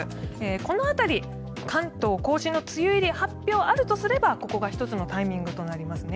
この辺り、関東・甲信の梅雨入り発表あるとすればここが１つのタイミングとなりますね。